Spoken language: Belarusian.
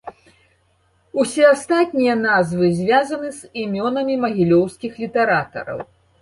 Усе астатнія назвы звязаны з імёнамі магілёўскіх літаратараў.